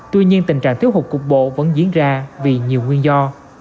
tuy nhiên tình trạng thiếu hụt cục bộ vẫn diễn ra vì nhiều nguyên do